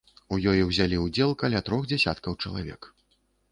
У ёй узялі ўдзел каля трох дзясяткаў чалавек.